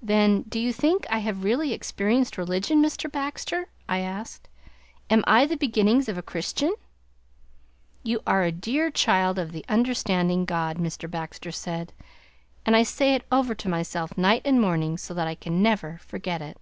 "Then do you think I have really experienced religion, Mr. Baxter?" I asked. "Am I the beginnings of a Christian?" "You are a dear child of the understanding God!" Mr. Baxter said; "and I say it over to myself night and morning so that I can never forget it."